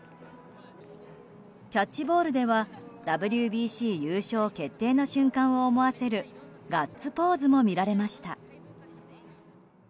キャッチボールではＷＢＣ優勝決定の瞬間を思わせるガッツポーズも見られました。